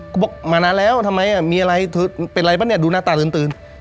ก็บอกมานานแล้วทำไมมีอะไรเธอเป็นไรปะเนี่ยดูหน้าตาตื่น